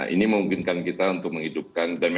ini memungkinkan kita untuk menghidupkan